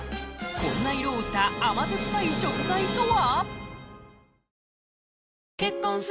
こんな色をした甘酸っぱい食材とは？